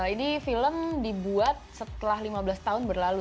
ini film dibuat setelah lima belas tahun berlalu